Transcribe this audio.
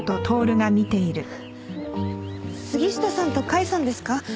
杉下さんと甲斐さんですか？